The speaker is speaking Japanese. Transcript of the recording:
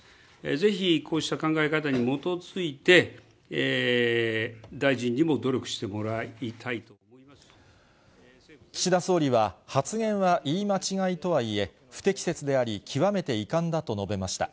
ぜひ、こうした考え方に基づいて、岸田総理は、発言は言い間違いとはいえ、不適切であり、極めて遺憾だと述べました。